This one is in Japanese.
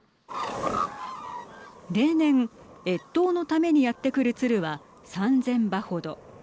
例年越冬のためにやって来る鶴は３０００羽程。